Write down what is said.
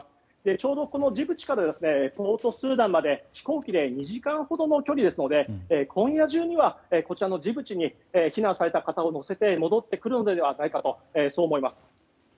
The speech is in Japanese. ちょうどジブチからポートスーダンまで飛行機で２時間ほどの距離ですので今夜中にはこちらのジブチに避難された方を乗せて戻ってくるのではないかと思います。